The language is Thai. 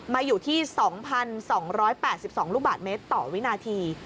มาอยู่ที่สองพันสองร้อยแปดสิบสองลูกบาทเมตรต่อวินาที